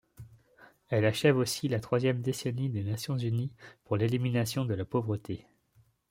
Elle achève aussi la troisième Décennie des Nations unies pour l’élimination de la pauvreté.